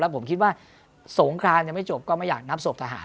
ผมคิดว่าสงครานยังไม่จบก็ไม่อยากนับศพทหาร